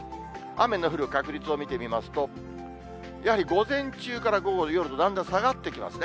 雨の降る確率を見てみますと、やはり午前中から午後、夜と、だんだん下がってきますね。